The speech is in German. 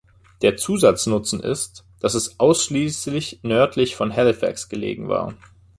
Der Zusatznutzen ist, dass es ausschließlich nördlich von Halifax gelegen war.